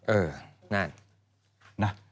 เออน่า